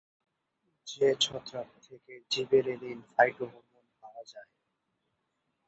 কোন ছত্রাক থেকে জিবেরেলিন ফাইটোহরমোন পাওয়া যায়?